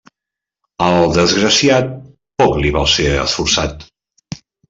Al desgraciat, poc li val ser esforçat.